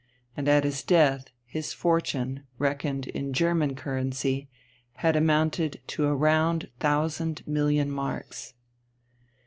And at his death his fortune, reckoned in German currency, had amounted to a round thousand million marks.